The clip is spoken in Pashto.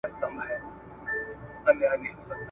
دا له کومو جنتونو یې راغلی ..